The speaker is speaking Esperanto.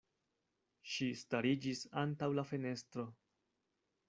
Ŝi stariĝis antaŭ la fenestro.